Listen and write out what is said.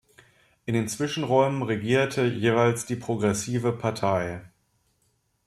In den Zwischenräumen regierte jeweils die Progressive Partei.